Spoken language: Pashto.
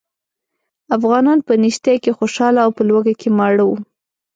افغانان په نېستۍ کې خوشاله او په لوږه کې ماړه وو.